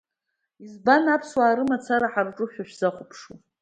Избан аԥсуаа рымацара ҳарҿушәа шәзахәаԥшуа?